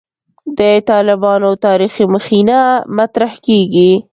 د «طالبانو تاریخي مخینه» مطرح کېږي.